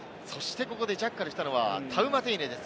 ここでジャッカルしたのはタウマテイネです。